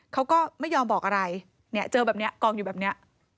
เขาก็ไม่ยอมบอกอะไรเนี่ยเจอแบบนี้กองอยู่แบบนี้